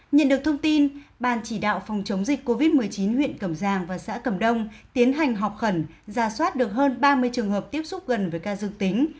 nhận được thông tin bàn chỉ đạo phòng chống dịch covid một mươi chín huyện cẩm giàng và xã cẩm đông tiến hành học khẩn giả soát được hơn ba mươi trường hợp tiếp xúc gần với ca dương tính